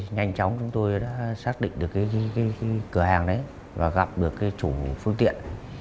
nhanh chóng chúng tôi đã xác định được cái cửa hàng đấy và gặp được cái chủ phương tiện